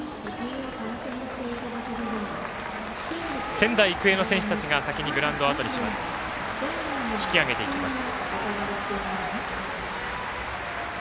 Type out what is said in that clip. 仙台育英の選手たちが先にグラウンドから引き揚げていきます。